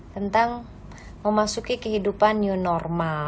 tentang memasuki kehidupan new normal